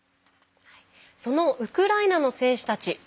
そのウクライナの選手たち